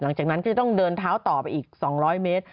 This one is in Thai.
หลังจากนั้นก็จะต้องเดินเท้าต่อไปอีก๒๐๐เมตร